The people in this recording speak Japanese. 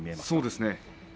そうですね